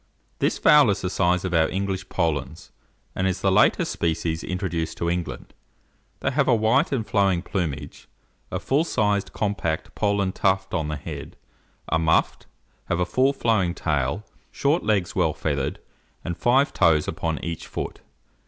This fowl is the size of our English Polands, and is the latest species introduced to England. They have a white and flowing plumage, a full sized, compact Poland tuft on the head, are muffed, have a full flowing tail, short legs well feathered, and five toes upon each foot.